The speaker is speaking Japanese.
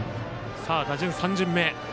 打順３巡目へ。